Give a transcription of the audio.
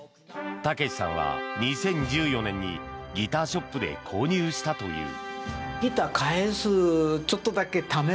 ＴＡＫＥＳＨＩさんは２０１４年にギターショップで購入したという。